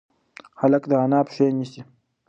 هلک د انا پښې نیسي.